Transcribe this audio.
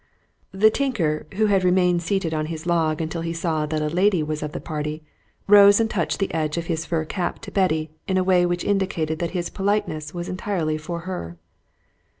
The tinker, who had remained seated on his log until he saw that a lady was of the party, rose and touched the edge of his fur cap to Betty in a way which indicated that his politeness was entirely for her.